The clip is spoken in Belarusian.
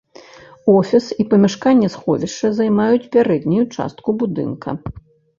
Офіс і памяшканне сховішча займаюць пярэднюю частку будынка.